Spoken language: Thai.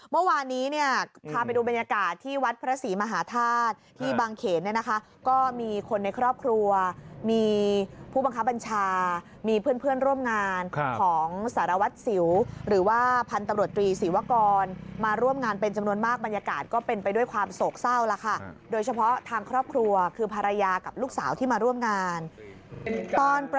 เมื่อวานนี้เนี่ยพาไปดูบรรยากาศที่วัดพระศรีมหาธาตุที่บางเขนเนี่ยนะคะก็มีคนในครอบครัวมีผู้บังคับบัญชามีเพื่อนเพื่อนร่วมงานของสารวัตรสิวหรือว่าพันธบรวตรีศรีวกรมาร่วมงานเป็นจำนวนมากบรรยากาศก็เป็นไปด้วยความโศกเศร้าแล้วค่ะโดยเฉพาะทางครอบครัวคือภรรยากับลูกสาวที่มาร่วมงานตอนประ